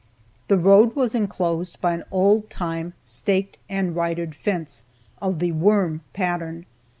The road was enclosed by an old time staked and ridered fence, of the "worm" pattern.